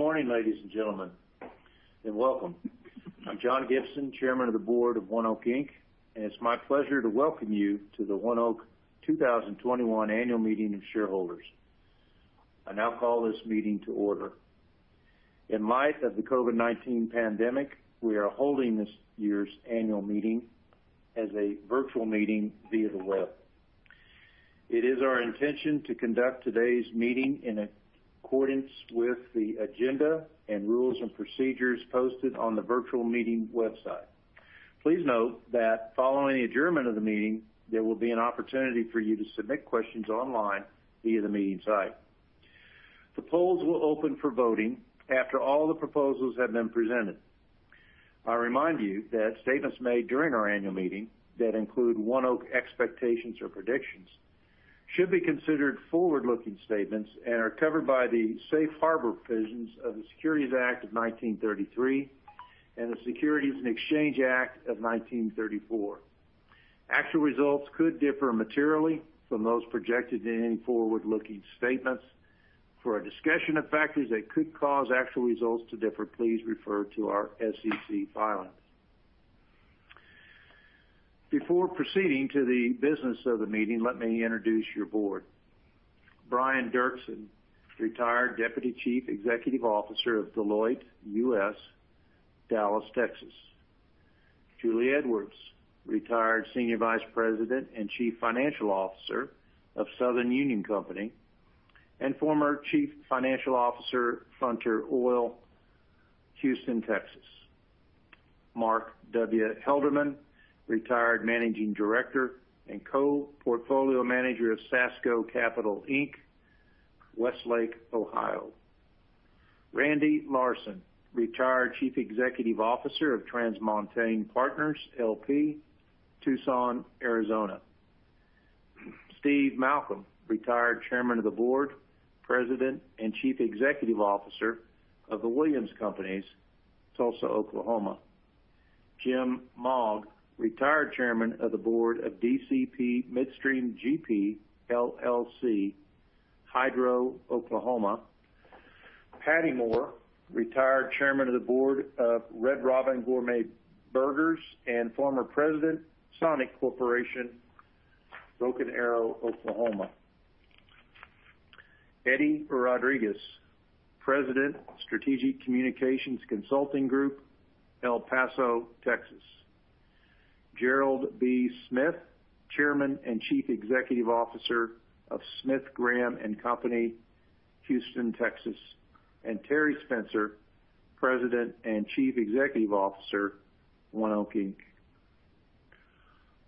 Good morning, ladies and gentlemen, and welcome. I'm John W. Gibson, Chairman of the Board of ONEOK, Inc., and it's my pleasure to welcome you to the ONEOK 2021 Annual Meeting of Shareholders. I now call this meeting to order. In light of the COVID-19 pandemic, we are holding this year's annual meeting as a virtual meeting via the web. It is our intention to conduct today's meeting in accordance with the agenda and rules and procedures posted on the virtual meeting website. Please note that following adjournment of the meeting, there will be an opportunity for you to submit questions online via the meeting site. The polls will open for voting after all the proposals have been presented. I remind you that statements made during our annual meeting that include ONEOK expectations or predictions should be considered forward-looking statements and are covered by the safe harbor provisions of the Securities Act of 1933 and the Securities Exchange Act of 1934. Actual results could differ materially from those projected in any forward-looking statements. For a discussion of factors that could cause actual results to differ, please refer to our SEC filings. Before proceeding to the business of the meeting, let me introduce your board. Brian L. Derksen, Retired Deputy Chief Executive Officer of Deloitte US, Dallas, Texas. Julie H. Edwards, Retired Senior Vice President and Chief Financial Officer of Southern Union Company and former Chief Financial Officer, Frontier Oil, Houston, Texas. Mark W. Helderman, Retired Managing Director and Co-Portfolio Manager of Sasco Capital, Inc., Westlake, Ohio. Randall J. Larson, Retired Chief Executive Officer of TransMontaigne Partners L.P., Tucson, Arizona. Steven J. Malcolm, Retired Chairman of the Board, President, and Chief Executive Officer of the Williams Companies, Tulsa, Oklahoma. Jim W. Mogg, Retired Chairman of the Board of DCP Midstream GP, LLC, Hydro, Oklahoma. Pattye L. Moore, Retired Chairman of the Board of Red Robin Gourmet Burgers and former President, Sonic Corporation, Broken Arrow, Oklahoma. Eduardo A. Rodriguez, President, Strategic Communication Consulting Group, El Paso, Texas. Gerald B. Smith, Chairman and Chief Executive Officer of Smith Graham & Company, Houston, Texas, and Terry K. Spencer, President and Chief Executive Officer, ONEOK, Inc.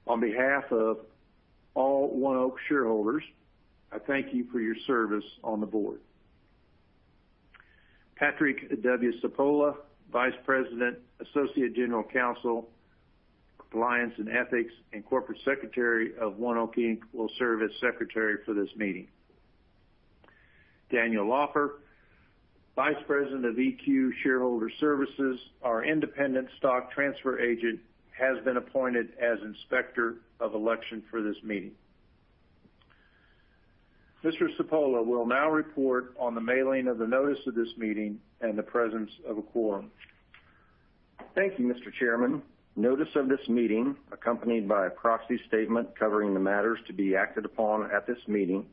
On behalf of all ONEOK shareholders, I thank you for your service on the board. Patrick W. Cipolla, Vice President, Associate General Counsel, Compliance and Ethics, and Corporate Secretary of ONEOK, Inc., will serve as Secretary for this meeting. Daniel Laufer, Vice President of EQ Shareholder Services, our independent stock transfer agent, has been appointed as Inspector of Election for this meeting. Mr. Cipolla will now report on the mailing of the notice of this meeting and the presence of a quorum. Thank you, Mr. Chairman. Notice of this meeting, accompanied by a proxy statement covering the matters to be acted upon at this meeting,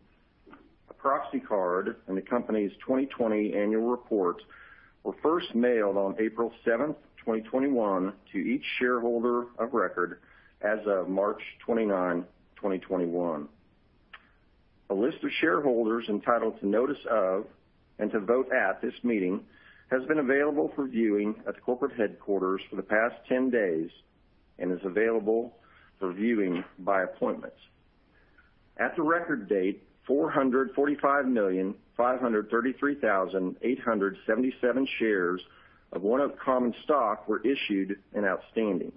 a proxy card, and the company's 2020 annual report were first mailed on April 7th, 2021, to each shareholder of record as of March 29, 2021. A list of shareholders entitled to notice of and to vote at this meeting has been available for viewing at corporate headquarters for the past 10 days and is available for viewing by appointment. At the record date, 445,533,877 shares of ONEOK common stock were issued and outstanding.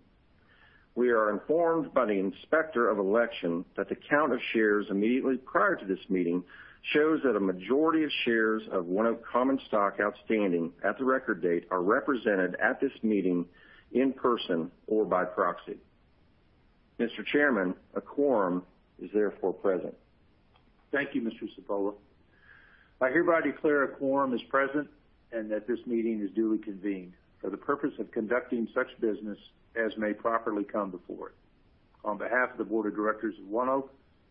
We are informed by the Inspector of Election that the count of shares immediately prior to this meeting shows that a majority of shares of ONEOK common stock outstanding at the record date are represented at this meeting in person or by proxy. Mr. Chairman, a quorum is therefore present. Thank you, Mr. Cipolla. I hereby declare a quorum is present and that this meeting is duly convened for the purpose of conducting such business as may properly come before it. On behalf of the Board of Directors of ONEOK,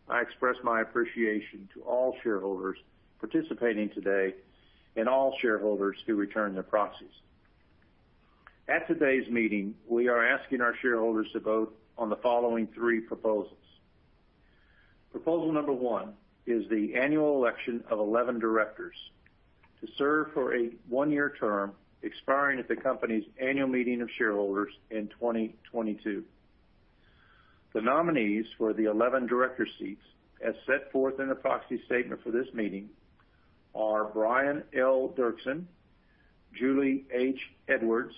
I express my appreciation to all shareholders participating today and all shareholders who returned their proxies. At today's meeting, we are asking our shareholders to vote on the following three proposals. Proposal number one is the annual election of 11 directors to serve for a one-year term expiring at the company's annual meeting of shareholders in 2022. The nominees for the 11 director seats, as set forth in the proxy statement for this meeting, are Brian L. Derksen, Julie H. Edwards,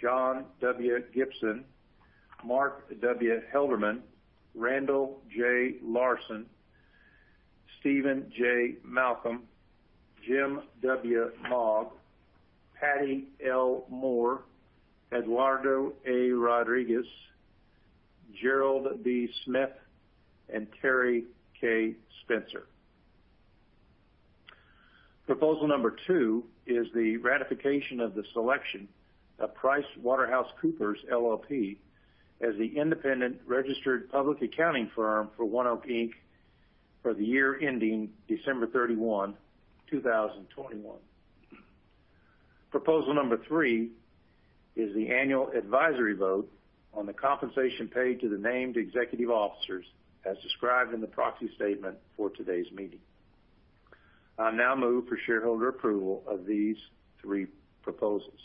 John W. Gibson, Mark W. Helderman, Randall J. Larson, Steven J. Malcolm, Jim W. Mogg, Pattye L. Moore, Eduardo A. Rodriguez, Gerald B. Smith, and Terry K. Spencer. Proposal number two is the ratification of the selection of PricewaterhouseCoopers LLP as the independent registered public accounting firm for ONEOK, Inc. for the year ending December 31, 2021. Proposal number three is the annual advisory vote on the compensation paid to the named executive officers as described in the proxy statement for today's meeting. I now move for shareholder approval of these three proposals.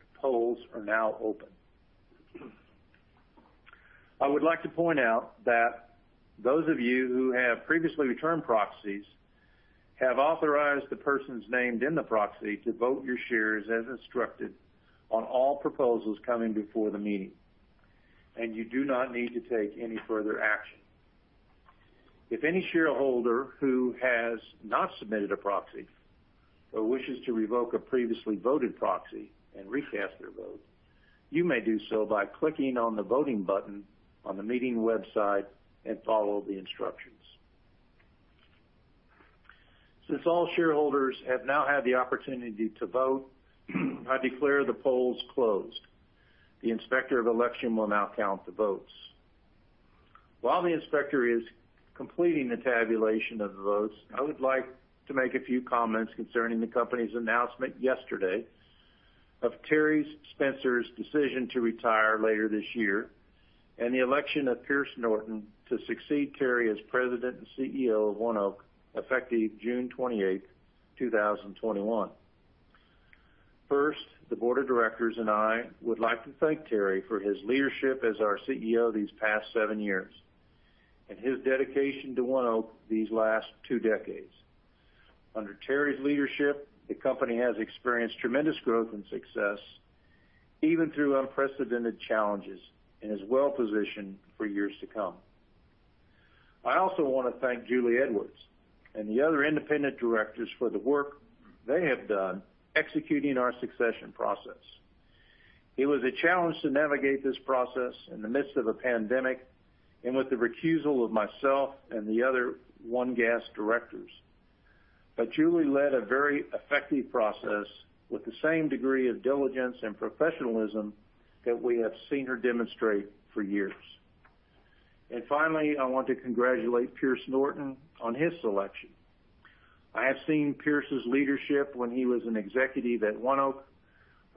The polls are now open. I would like to point out that those of you who have previously returned proxies have authorized the persons named in the proxy to vote your shares as instructed on all proposals coming before the meeting, and you do not need to take any further action. If any shareholder who has not submitted a proxy or wishes to revoke a previously voted proxy and recast their vote, you may do so by clicking on the voting button on the meeting website and follow the instructions. Since all shareholders have now had the opportunity to vote, I declare the polls closed. The inspector of election will now count the votes. While the inspector is completing the tabulation of the votes, I would like to make a few comments concerning the company's announcement yesterday of Terry Spencer's decision to retire later this year and the election of Pierce Norton to succeed Terry as President and CEO of ONEOK, effective June 28th, 2021. First, the board of directors and I would like to thank Terry for his leadership as our CEO these past seven years and his dedication to ONEOK these last two decades. Under Terry's leadership, the company has experienced tremendous growth and success, even through unprecedented challenges, and is well-positioned for years to come. I also want to thank Julie H. Edwards and the other independent directors for the work they have done executing our succession process. It was a challenge to navigate this process in the midst of a pandemic and with the recusal of myself and the other ONE Gas directors. Julie led a very effective process with the same degree of diligence and professionalism that we have seen her demonstrate for years. Finally, I want to congratulate Pierce H. Norton II on his selection. I have seen Pierce's leadership when he was an executive at ONEOK.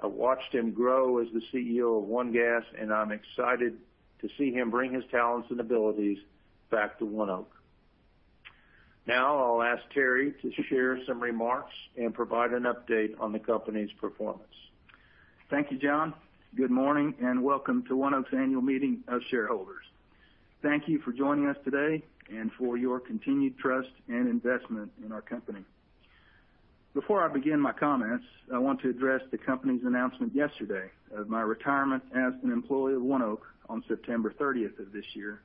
I watched him grow as the CEO of ONE Gas, and I'm excited to see him bring his talents and abilities back to ONEOK. I'll ask Terry to share some remarks and provide an update on the company's performance. Thank you, John. Good morning, and welcome to ONEOK's Annual Meeting of Shareholders. Thank you for joining us today and for your continued trust and investment in our company. Before I begin my comments, I want to address the company's announcement yesterday of my retirement as an employee of ONEOK on September 30th of this year,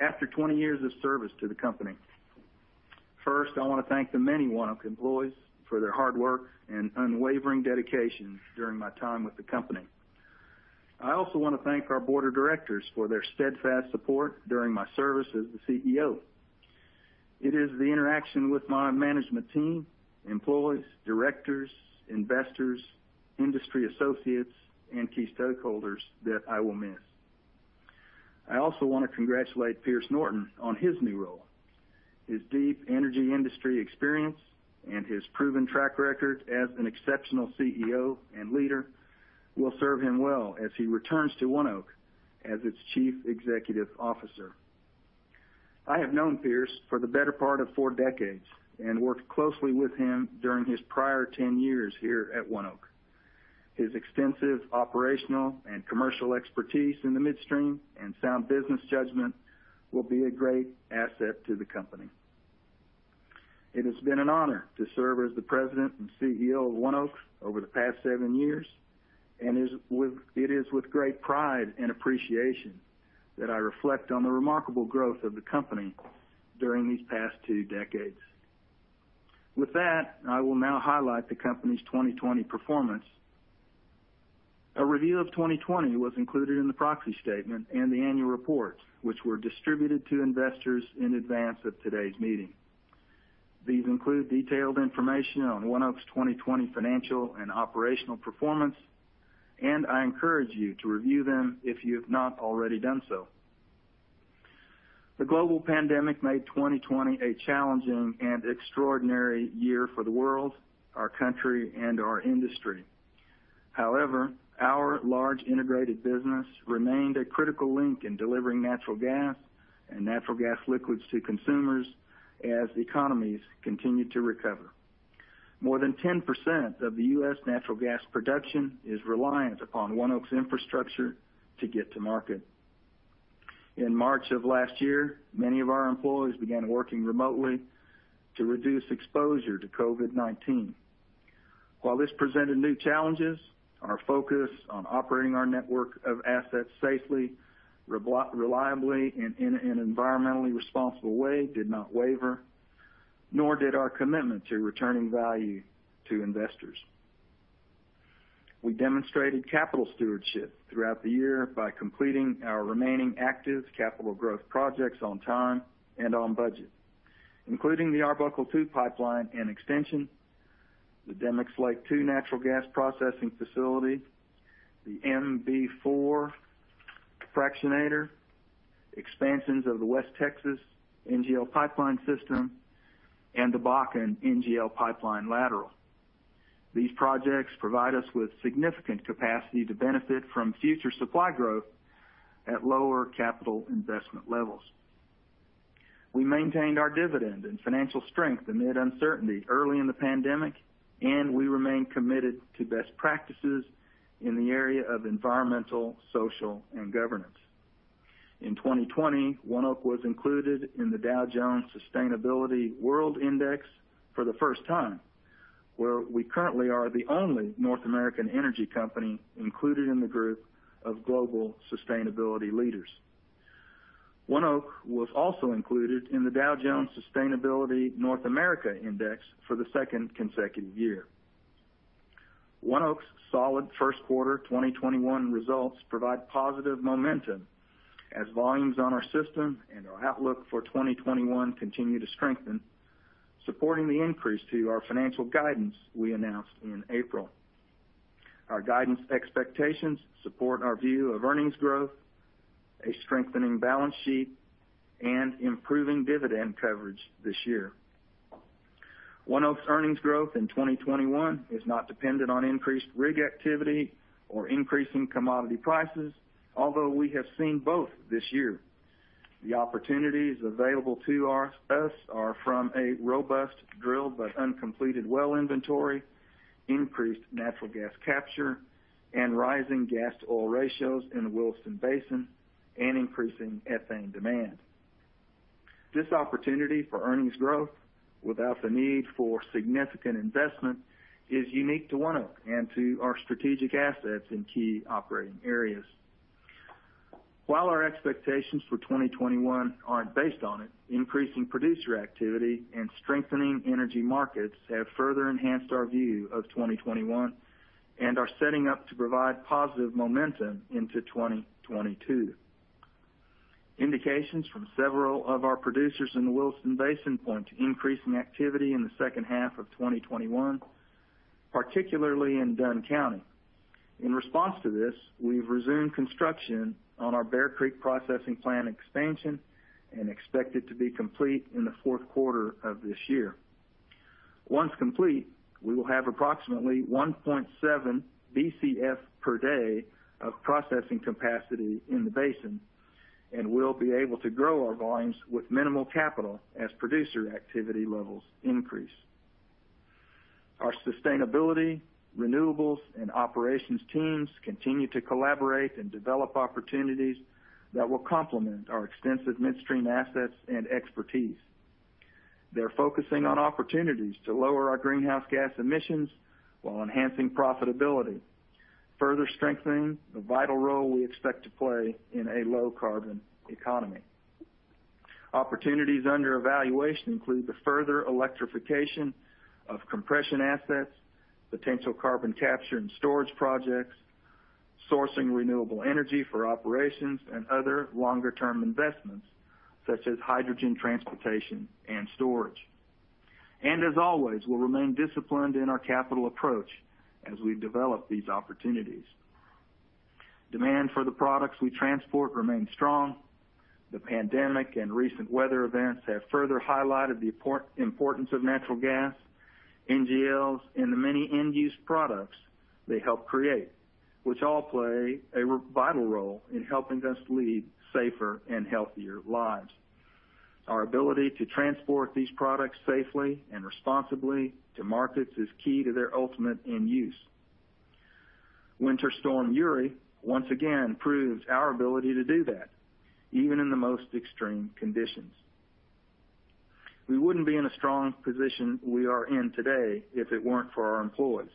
after 20 years of service to the company. First, I want to thank the many ONEOK employees for their hard work and unwavering dedication during my time with the company. I also want to thank our board of directors for their steadfast support during my service as the CEO. It is the interaction with my management team, employees, directors, investors, industry associates, and key stakeholders that I will miss. I also want to congratulate Pierce H. Norton II on his new role. His deep energy industry experience and his proven track record as an exceptional CEO and leader will serve him well as he returns to ONEOK as its chief executive officer. I have known Pierce for the better part of four decades and worked closely with him during his prior 10 years here at ONEOK. His extensive operational and commercial expertise in the midstream and sound business judgment will be a great asset to the company. It has been an honor to serve as the president and CEO of ONEOK over the past seven years, and it is with great pride and appreciation that I reflect on the remarkable growth of the company during these past two decades. With that, I will now highlight the company's 2020 performance. A review of 2020 was included in the proxy statement and the annual report, which were distributed to investors in advance of today's meeting. These include detailed information on ONEOK's 2020 financial and operational performance, and I encourage you to review them if you've not already done so. The global pandemic made 2020 a challenging and extraordinary year for the world, our country, and our industry. However, our large integrated business remained a critical link in delivering natural gas and natural gas liquids to consumers as economies continued to recover. More than 10% of the U.S. natural gas production is reliant upon ONEOK's infrastructure to get to market. In March of last year, many of our employees began working remotely to reduce exposure to COVID-19. While this presented new challenges, our focus on operating our network of assets safely, reliably, and in an environmentally responsible way did not waver, nor did our commitment to returning value to investors. We demonstrated capital stewardship throughout the year by completing our remaining active capital growth projects on time and on budget, including the Arbuckle II Pipeline and Extension, the Demicks Lake II natural gas processing facility, the MB-4 fractionator, expansions of the West Texas NGL Pipeline system, and the Bakken NGL Pipeline lateral. These projects provide us with significant capacity to benefit from future supply growth at lower capital investment levels. We maintained our dividend and financial strength amid uncertainty early in the pandemic, and we remain committed to best practices in the area of environmental, social, and governance. In 2020, ONEOK was included in the Dow Jones Sustainability World Index for the first time, where we currently are the only North American energy company included in the group of global sustainability leaders. ONEOK was also included in the Dow Jones Sustainability North America Index for the second consecutive year. ONEOK's solid first quarter 2021 results provide positive momentum as volumes on our system and our outlook for 2021 continue to strengthen, supporting the increase to our financial guidance we announced in April. Our guidance expectations support our view of earnings growth, a strengthening balance sheet, and improving dividend coverage this year. ONEOK's earnings growth in 2021 is not dependent on increased rig activity or increase in commodity prices, although we have seen both this year. The opportunities available to us are from a robust drilled but uncompleted well inventory, increased natural gas capture, and rising gas-to-oil ratios in the Williston Basin, and increasing ethane demand. This opportunity for earnings growth without the need for significant investment is unique to ONEOK and to our strategic assets in key operating areas. While our expectations for 2021 aren't based on it, increasing producer activity and strengthening energy markets have further enhanced our view of 2021 and are setting up to provide positive momentum into 2022. Indications from several of our producers in the Williston Basin point to increasing activity in the second half of 2021, particularly in Dunn County. In response to this, we've resumed construction on our Bear Creek processing plant expansion and expect it to be complete in the fourth quarter of this year. Once complete, we will have approximately 1.7 Bcf per day of processing capacity in the basin, and we'll be able to grow our volumes with minimal capital as producer activity levels increase. Our sustainability, renewables, and operations teams continue to collaborate and develop opportunities that will complement our extensive midstream assets and expertise. They're focusing on opportunities to lower our greenhouse gas emissions while enhancing profitability, further strengthening the vital role we expect to play in a low carbon economy. Opportunities under evaluation include the further electrification of compression assets, potential carbon capture and storage projects, sourcing renewable energy for operations, and other longer-term investments such as hydrogen transportation and storage. As always, we'll remain disciplined in our capital approach as we develop these opportunities. Demand for the products we transport remains strong. The pandemic and recent weather events have further highlighted the importance of natural gas, NGLs, and the many end-use products they help create, which all play a vital role in helping us lead safer and healthier lives. Our ability to transport these products safely and responsibly to markets is key to their ultimate end use. Winter Storm Uri once again proves our ability to do that even in the most extreme conditions. We wouldn't be in the strong position we are in today if it weren't for our employees.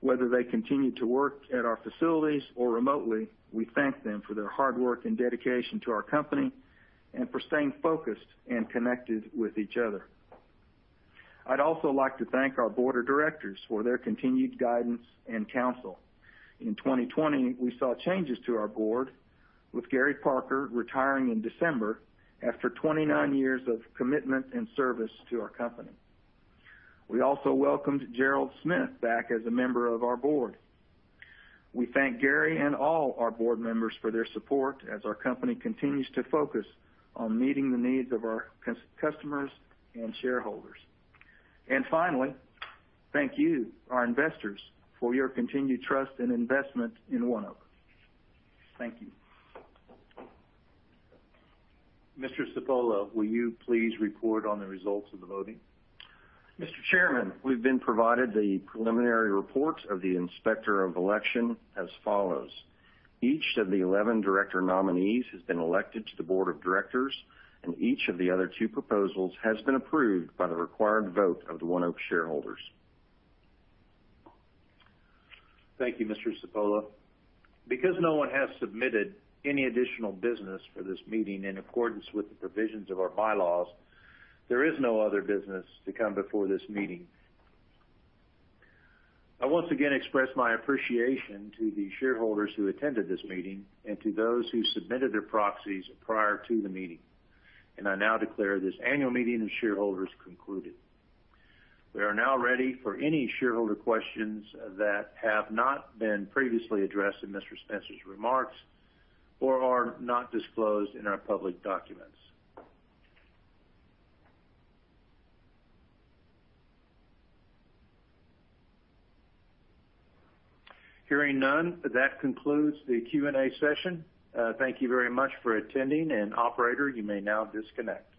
Whether they continue to work at our facilities or remotely, we thank them for their hard work and dedication to our company and for staying focused and connected with each other. I'd also like to thank our board of directors for their continued guidance and counsel. In 2020, we saw changes to our board with Gary D. Parker retiring in December after 29 years of commitment and service to our company. We also welcomed Gerald B. Smith back as a member of our board. We thank Gary and all our board members for their support as our company continues to focus on meeting the needs of our customers and shareholders. Finally, thank you, our investors, for your continued trust and investment in ONEOK. Thank you. Mr. Cipolla, will you please report on the results of the voting? Mr. Chairman, we've been provided the preliminary reports of the Inspector of Election as follows. Each of the 11 director nominees has been elected to the board of directors, each of the other two proposals has been approved by the required vote of the ONEOK shareholders. Thank you, Mr. Cipolla. Because no one has submitted any additional business for this meeting in accordance with the provisions of our bylaws, there is no other business to come before this meeting. I once again express my appreciation to the shareholders who attended this meeting and to those who submitted their proxies prior to the meeting, and I now declare this annual meeting of shareholders concluded. We are now ready for any shareholder questions that have not been previously addressed in Mr. Spencer's remarks or are not disclosed in our public documents. Hearing none, that concludes the Q&A session. Thank you very much for attending, and operator, you may now disconnect.